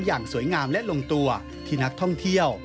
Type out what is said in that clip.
อย่างสวยงามและลงตัวที่นักท่องเที่ยว